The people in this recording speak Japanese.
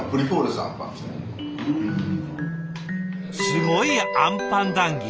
すごいあんぱん談議。